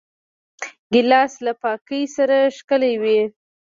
ګیلاس له پاکۍ سره ښکلی وي.